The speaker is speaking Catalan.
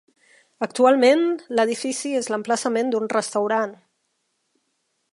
Actualment l'edifici és l'emplaçament d'un restaurant.